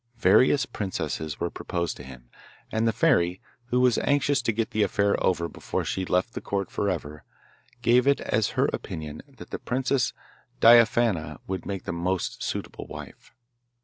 Various princesses were proposed to him, and the fairy, who was anxious to get the affair over before she left the Court for ever, gave it as her opinion that the Princess Diaphana would make the most suitable wife.